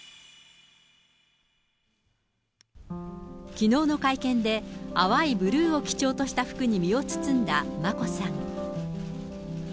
きのうの会見で、淡いブルーを基調とした服に身を包んだ眞子さん。